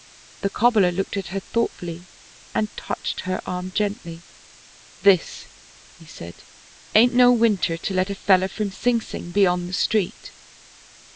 The cobbler looked at her thoughtfully and touched her arm gently. "This," he said, "ain't no winter to let a feller from Sing Sing be on the street."